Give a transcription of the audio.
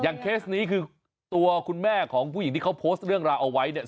เคสนี้คือตัวคุณแม่ของผู้หญิงที่เขาโพสต์เรื่องราวเอาไว้เนี่ย